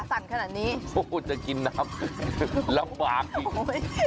ค่ะสั่งขนาดนี้โหจะกินนับลับบากดิเหรอ